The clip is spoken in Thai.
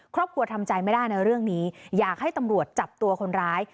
ครอบครัวทำใจไม่ได้นะเรื่องนี้อยากให้ตำรวจจับตัวคนร้าย